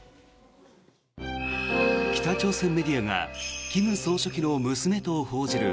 北朝鮮メディアが金総書記の娘と報じる